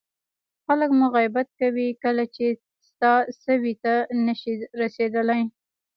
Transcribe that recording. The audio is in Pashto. خلک مو غیبت کوي کله چې ستا سویې ته نه شي رسېدلی.